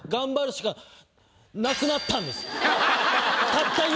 たった今！